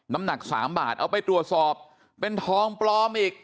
น้ำหนัก๓บาทเอาไปตรวจสอบเป็นทองปลอมอีก